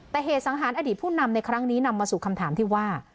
แต่เหตุสังหารอดีตผู้นำในครั้งนี้นำมาสู่คำถามที่ว่า